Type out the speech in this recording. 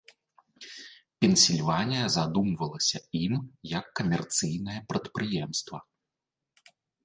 Пенсільванія задумвалася ім як камерцыйнае прадпрыемства.